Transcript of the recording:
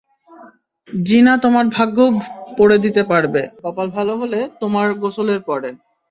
জিনা তোমার ভাগ্যও পড়ে দিতে পারবে, কপাল ভালো হলে, তোমার গোসলের পরে।